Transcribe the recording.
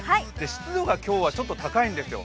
湿度が今日はちょっと高いんですよ。